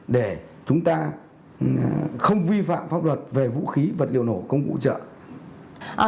để chúng ta không vi phạm pháp luật về vũ khí vật liệu nổ công cụ hỗ trợ